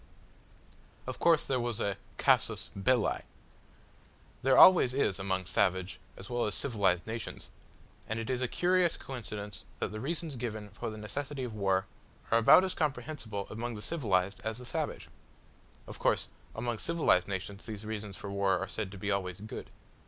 Of course there was a casus belli. There always is among savage as well as civilised nations, and it is a curious coincidence that the reasons given for the necessity for war are about as comprehensible among the civilised as the savage. Of course among civilised nations these reasons for war are said to be always good.